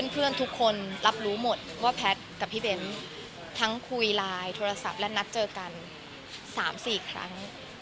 เพื่อนทุกคนรับรู้หมดว่าแพทย์กับพี่เบ้นทั้งคุยไลน์โทรศัพท์และนัดเจอกัน๓๔ครั้ง